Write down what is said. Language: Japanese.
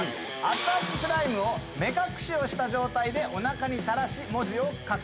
熱々スライムを目隠しをした状態でおなかにたらし文字を書く。